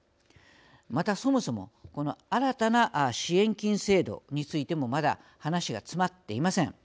また、そもそもこの新たな支援金制度についてもまだ話が詰まっていません。